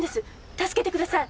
助けてください。